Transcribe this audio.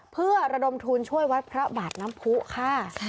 เพื่อระดมทุนช่วยวัดพระบาทน้ำผู้ค่ะ